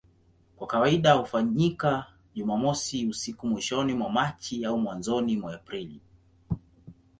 Kwa kawaida hufanyika Jumamosi usiku mwishoni mwa Machi au mwanzoni mwa Aprili.